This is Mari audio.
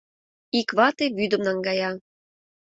Ик вате вӱдым наҥгая.